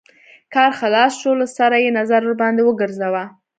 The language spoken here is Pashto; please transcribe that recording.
کار خلاص شو له سره يې نظر ورباندې وګرځوه.